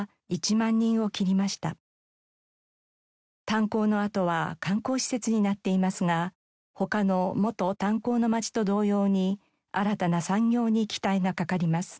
炭鉱の跡は観光施設になっていますが他の元炭鉱の町と同様に新たな産業に期待がかかります。